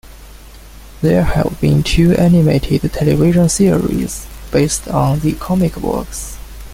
There have been two animated television series, based on the comic books.